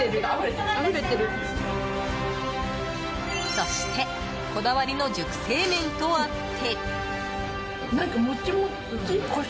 そしてこだわりの熟成麺とあって。